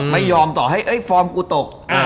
ไม่ยอมต่อให้ฟอร์มกูตก